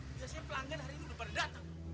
biasanya pelanggan hari ini udah baru datang